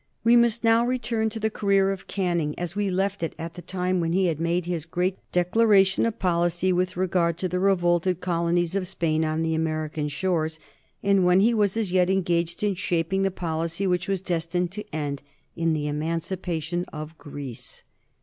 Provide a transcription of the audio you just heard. We must now return to the career of Canning as we left it at the time when he had made his great declaration of policy with regard to the revolted colonies of Spain on the American shores, and when he was as yet engaged in shaping the policy which was destined to end in the emancipation of Greece.